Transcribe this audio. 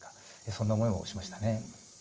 そんな思いもしましたね。